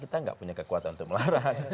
kita nggak punya kekuatan untuk melarang